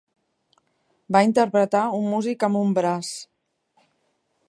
Va interpretar un músic amb un braç.